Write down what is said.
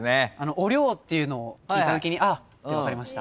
お龍っていうのを聞いたときにあっ！って分かりました。